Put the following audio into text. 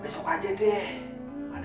kayaknya belum dikerjain tuh